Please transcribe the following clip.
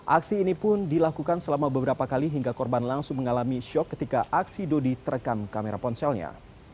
aksi ini pun dilakukan selama beberapa kali hingga korban langsung mengalami syok ketika aksi dodi terekam kamera ponselnya